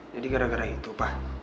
jadi gara gara itu pa